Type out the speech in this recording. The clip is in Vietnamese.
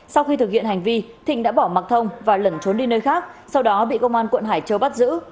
sau khi thực hiện hành vi thịnh đã bỏ mặc thông và lẩn trốn đi nơi khác sau đó bị công an quận hải châu bắt giữ